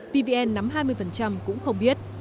pvn nắm hai mươi cũng không biết